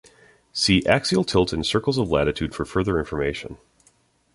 See axial tilt and circles of latitude for further information.